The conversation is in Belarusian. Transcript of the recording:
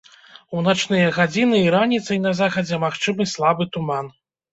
У начныя гадзіны і раніцай на захадзе магчымы слабы туман.